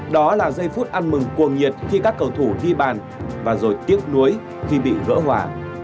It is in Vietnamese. đó là giây phút ăn mừng cuồng nhiệt khi các cầu thủ đi bàn và rồi tiếc nuối khi bị vỡ hỏa